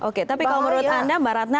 oke tapi kalau menurut anda mbak ratna